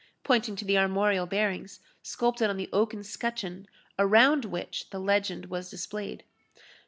pointing to the armorial bearings sculptured on the oaken scutcheon, around which the legend was displayed.